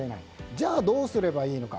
じゃあ、どうすればいいのか。